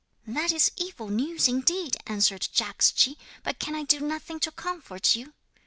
'"That is evil news indeed," answered Jagdschi; "but can I do nothing to comfort you?"